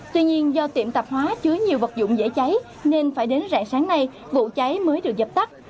tuy nhiên do tiệm tạp hóa chứa nhiều vật dụng dễ cháy nên phải đến rạng sáng nay vụ cháy mới được dập tắt